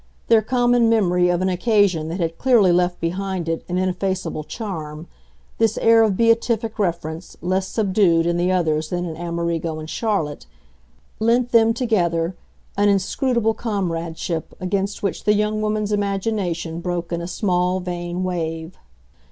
Their common memory of an occasion that had clearly left behind it an ineffaceable charm this air of beatific reference, less subdued in the others than in Amerigo and Charlotte, lent them, together, an inscrutable comradeship against which the young woman's imagination broke in a small vain wave.